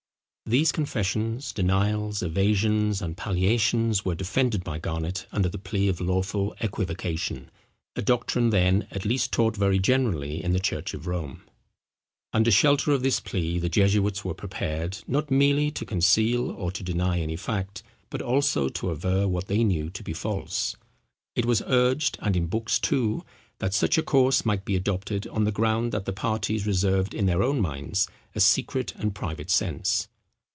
These confessions, denials, evasions, and palliations were defended by Garnet under the plea of lawful equivocation, a doctrine then at least taught very generally in the church of Rome. Under shelter of this plea the jesuits were prepared, not merely to conceal or to deny any fact, but also to aver what they knew to be false. It was urged, and in books too, that such a course might be adopted on the ground that the parties reserved in their own minds a secret and private sense.